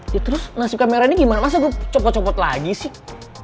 sih terus nasi kamera ini gimana masa gue copot copot lagi sih